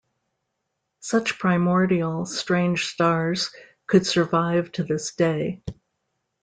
Such primordial strange stars could survive to this day.